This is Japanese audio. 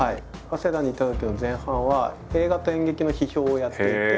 早稲田にいたときの前半は映画と演劇の批評をやっていて。